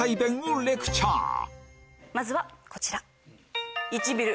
まずはこちら。